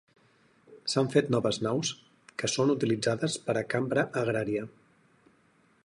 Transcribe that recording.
S'han fet noves naus que són utilitzades per a Cambra Agrària.